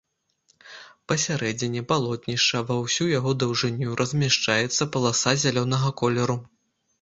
Пасярэдзіне палотнішча ва ўсю яго даўжыню размяшчаецца паласа зялёнага колеру.